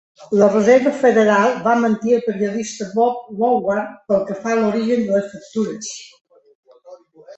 La Reserva Federal va mentir al periodista Bob Woodward pel que fa a l'origen de les factures.